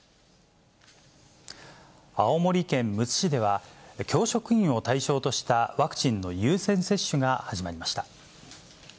青森県むつ市では、教職員を対象としたワクチンの優先接種が始まりました。